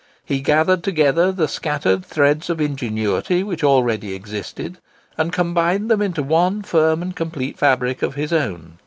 He gathered together the scattered threads of ingenuity which already existed, and combined them into one firm and complete fabric of his own.